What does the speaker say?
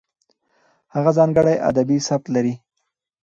هغه ځانګړی ادبي سبک لري.